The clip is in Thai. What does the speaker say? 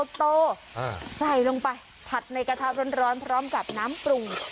ใส่ลงไปผัดในกระทะร้อนพร้อมกับน้ำปรุง